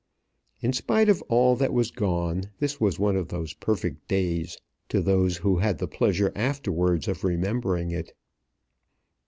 In spite of all that was gone this was one of those perfect days to those who had the pleasure afterwards of remembering it.